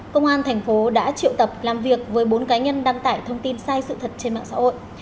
công an thành phố đã triệu tập làm việc với bốn cá nhân đăng tải thông tin sai sự thật trên mạng xã hội